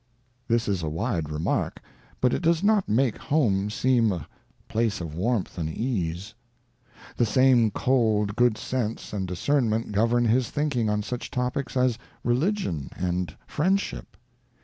This is a wise remark, but it does not make home seem a place of warmth and ease. The same cold good sense and discernment govern his thinking on such topics as Religion and Friendship.